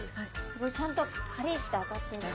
すごいちゃんとカリッて当たって。